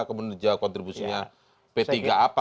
kemudian juga kontribusinya p tiga apa